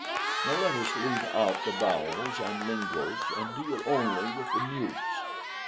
Now let us leave out the vowels and linguals, and deal only with the mutes.